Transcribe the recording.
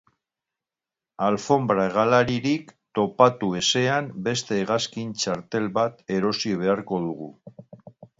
Alfonbra hegalaririk topatu ezean, beste hegazkin txartel bat erosi beharko dugu.